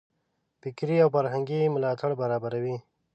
فکري او فرهنګي ملاتړ برابروي.